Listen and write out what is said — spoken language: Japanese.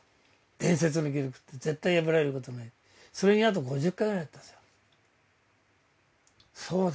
伝説の記録って絶対破られることないそれにあと５０回ぐらいだったんですよ